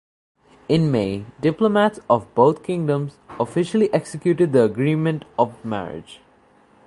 In May, diplomats of both kingdoms officially executed the agreement of marriage.